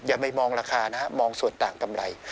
อย่าไปมองราคานะฮะมองส่วนต่างกำไร